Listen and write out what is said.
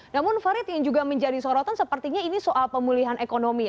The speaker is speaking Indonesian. namun farid yang juga menjadi sorotan sepertinya ini soal pemulihan ekonomi